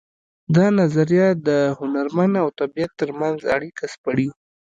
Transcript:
دا نظریه د هنرمن او طبیعت ترمنځ اړیکه سپړي